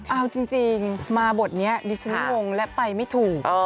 เอาจริงมาบทนี้ดิฉันงงและไปไม่ถูก